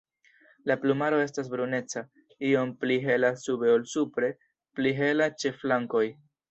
La plumaro estas bruneca, iom pli hela sube ol supre, pli hela ĉe flankoj.